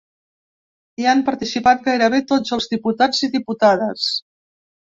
Hi han participat gairebé tots els diputats i diputades.